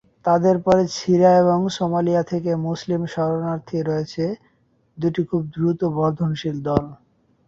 তাদের পরে সিরিয়া এবং সোমালিয়া থেকে মুসলিম শরণার্থীরা রয়েছে, দুটি খুব দ্রুত বর্ধনশীল দল।